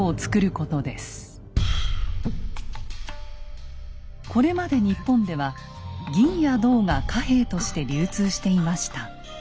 これまで日本では銀や銅が貨幣として流通していました。